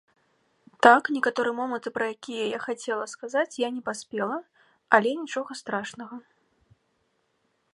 Так, некаторыя моманты, пра якія я хацела сказаць, я не паспела, але нічога страшнага.